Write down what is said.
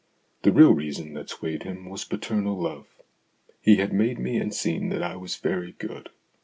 The real reason that swayed him was paternal love. He had made me and seen that I was very good.